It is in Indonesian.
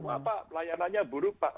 wah pak pelayanannya buruk pak